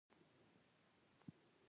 راځه چې